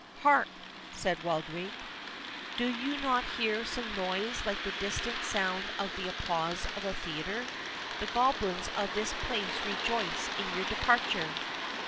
"Hark," said Wildrake, "do you not hear some noise like the distant sound of the applause of a theatre? The goblins of the place rejoice in your departure."